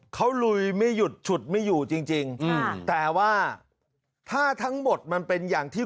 เขาลุยไม่หยุดฉุดไม่อยู่จริงแต่ว่าถ้าทั้งหมดมันเป็นอย่างที่